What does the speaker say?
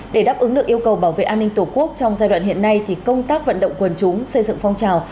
để đáp ứng được yêu cầu bảo vệ an ninh tổ quốc trong giai đoạn hiện nay thì công tác vận động quần chúng xây dựng phong trào